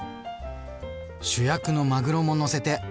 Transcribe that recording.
主役のまぐろものせて。